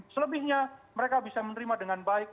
selebihnya mereka bisa menerima dengan baik